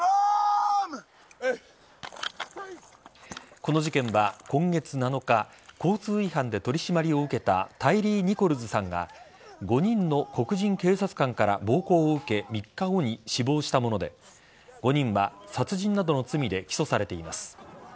この事件は今月７日交通違反で取り締まりを受けたタイリー・ニコルズさんが５人の黒人警察官から暴行を受け３日後に死亡したもので５人は殺人などの罪で起訴されています。